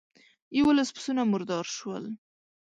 يوولس پسونه مردار شول.